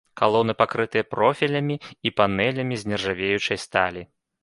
Калоны пакрытыя профілямі і панэлямі з нержавеючай сталі.